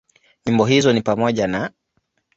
Nyimbo hizo ni pamoja na;